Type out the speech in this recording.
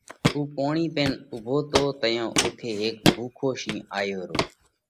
اُو پوڻِي پينَ اُوڀو تو، تئيون اُوٿئہ هيڪ ڀُوکو شِينه آيو رو۔